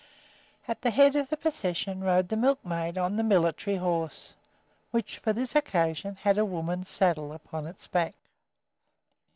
At the head of the procession rode the milkmaid on the military horse, which for this occasion had a woman's saddle upon its back.